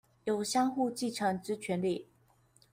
有相互繼承之權利